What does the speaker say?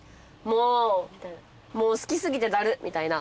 もう好き過ぎてだるみたいな。